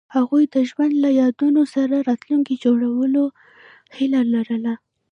هغوی د ژوند له یادونو سره راتلونکی جوړولو هیله لرله.